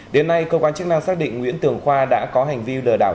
đến nay cơ quan chức năng xác định nguyễn tường khoa đã có hành vi lừa đảo